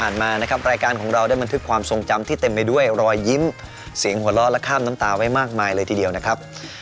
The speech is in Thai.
สวัสดีครับ